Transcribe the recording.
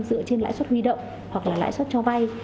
dựa trên lãi suất huy động hoặc là lãi suất cho vay